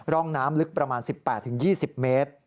ร่องน้ำลึกประมาณ๑๘๒๐เมตร